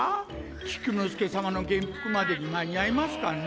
菊之助さまの元服までに間に合いますかね。